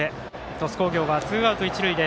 鳥栖工業はツーアウト、一塁で